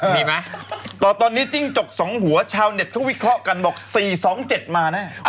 มีมั้ยตอนตอนนี้จริงจกสองหัวชาวเน็ตเขาวิเคราะห์กันบอกสี่สองเจ็ดมาน่ะ